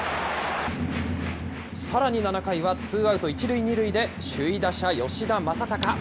さらに７回は、ツーアウト１塁２塁で首位打者、吉田正尚。